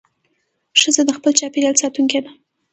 ښځه د خپل چاپېریال ساتونکې ده.